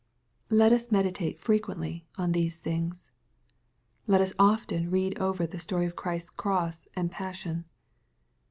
Let us meditate frequently on these things. Let us often read over the story of Christ's cross and passion.